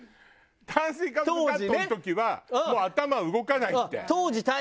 炭水化物カットの時はもう頭動かないって。